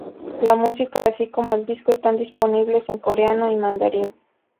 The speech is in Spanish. La música, así como el disco están disponibles en Coreano y Mandarín.